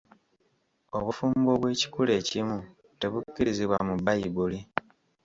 Obufumbo obw'ekikula ekimu tebukkirizibwa bu Bbayibuli.